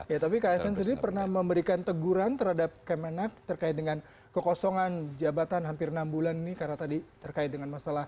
ya tapi ksn sendiri pernah memberikan teguran terhadap kemenak terkait dengan kekosongan jabatan hampir enam bulan ini karena tadi terkait dengan masalah